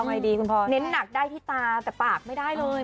แน่นหนักได้ที่ตาแต่ปากไม่ได้เลย